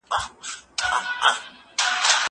تکړښت د زهشوم له خوا کيږي؟